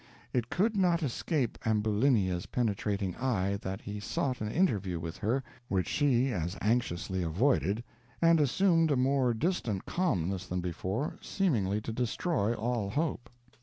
It could not escape Ambulinia's penetrating eye that he sought an interview with her, which she as anxiously avoided, and assumed a more distant calmness than before, seemingly to destroy all hope.